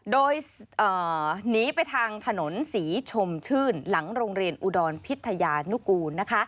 โดยหนีไปทางถนนศรีชมชื่นหลังโรงเรียนอุดรพิทยานุกูล